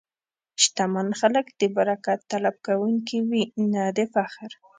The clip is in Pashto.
شتمن خلک د برکت طلب کوونکي وي، نه د فخر.